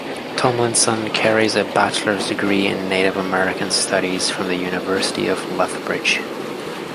Tomlinson carries a Bachelor's Degree in Native American Studies from the University of Lethbridge.